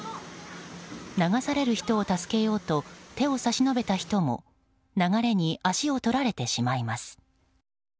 流される人を助けようと手を差し伸べた人も流れに足を取られてしまいます。